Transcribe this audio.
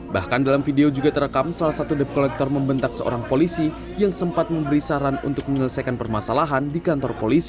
bahkan dalam video juga terekam salah satu dep kolektor membentak seorang polisi yang sempat memberi saran untuk menyelesaikan permasalahan di kantor polisi